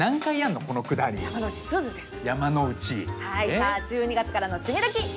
さあ「１２月からの趣味どきっ！」